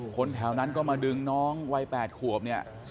คนแถวนั้นก็มาดึงน้องวัย๘ขวบเนี่ย